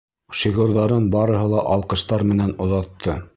Шиғырҙарын барыһы ла алҡыштар менән оҙатты.